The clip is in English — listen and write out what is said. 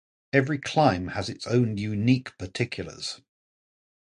Every climb has its own unique particulars.